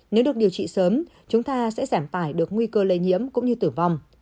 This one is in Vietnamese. nếu được điều trị sớm chúng ta sẽ giảm tải được nguy cơ lây nhiễm cũng như tử vong